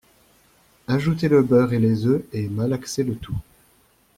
Ajouter le beurre et les œufs et malaxer le tout